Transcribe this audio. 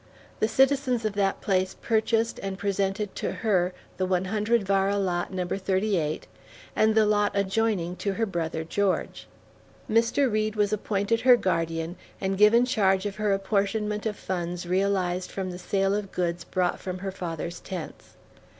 The citizens of that place purchased and presented to her the one hundred vara lot Number 38, and the lot adjoining to her brother George. Mr. Reed was appointed her guardian and given charge of her apportionment of funds realized from the sale of goods brought from her father's tents.